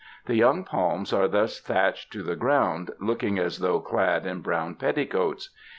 The young palms are thus thatched to the ground, looking as though clad in brown petticoats.